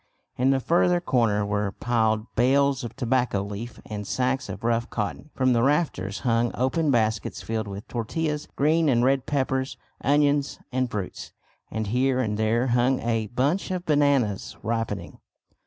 In the further corner were piled bales of tobacco leaf and sacks of rough cotton. From the rafters hung open baskets filled with tortillas, green and red peppers, onions and fruits, and here and there hung a bunch of bananas ripening.